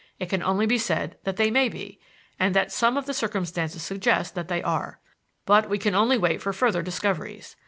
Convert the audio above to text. It can only be said that they may be, and that some of the circumstances suggest that they are. But we can only wait for further discoveries.